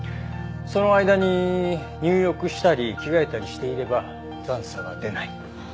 その間に入浴したり着替えたりしていれば残渣は出ない。